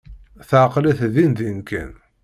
Teɛqel-it dindin kan.